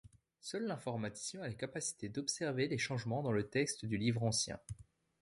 Seul l'informaticien a la capacité d'observer les changements dans le texte du livre ancien.